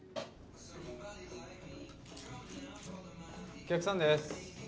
お客さんです。